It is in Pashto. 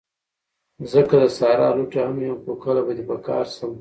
زه که د صحرا لوټه هم یم، خو کله به دي په کار شم